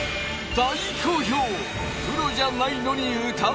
大好評！